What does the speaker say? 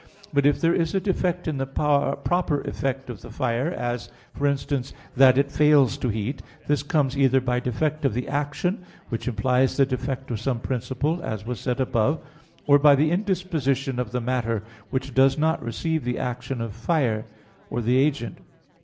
But if there is a defect in the proper effect of the fire as, for instance, that it fails to heat this comes either by defect of the action, which implies the defect of some principle, as was said above, or by the indisposition of the matter, which does not receive the action of the fire, the agent.